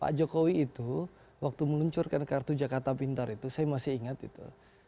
pak jokowi itu waktu meluncurkan kartu jakarta pintar itu saya masih ingat itu